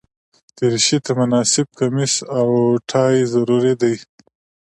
دریشي ته مناسب کمیس او ټای ضروري دي.